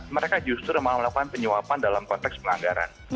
mereka justru memang melakukan penyuapan dalam konteks pelanggaran